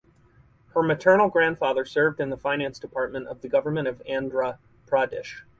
Her maternal grandfather served in the finance department of the Government of Andhra Pradesh.